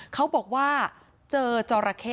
เขาบอกว่าเจอจอราเข้